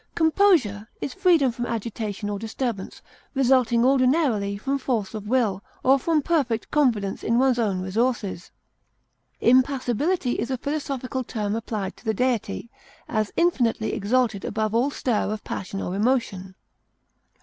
Composure is freedom from agitation or disturbance, resulting ordinarily from force of will, or from perfect confidence in one's own resources. Impassibility is a philosophical term applied to the Deity, as infinitely exalted above all stir of passion or emotion.